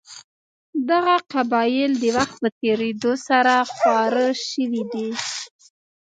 دغه قبایل د وخت په تېرېدو سره خواره شوي دي.